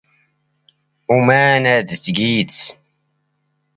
ⵓ ⵎⴰⵏⵉ ⴰⴷ ⵜⴳⵉⴷ?